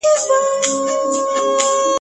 آیا د ملالي کردار د لمر په شان څرګند نه دئ؟